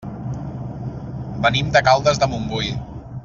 Venim de Caldes de Montbui.